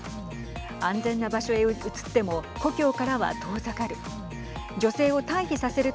安全な場所へ移っても故郷からは遠ざかる。